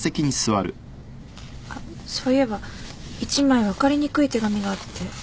あっそういえば１枚分かりにくい手紙があって。